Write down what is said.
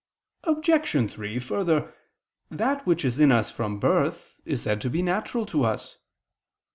Obj. 3: Further, that which is in us from birth is said to be natural to us.